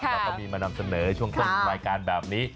เราก็มีมานำเสนอช่วงต้นรายการแบบนี้